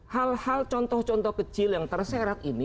hal hal contoh contoh kecil yang terseret ini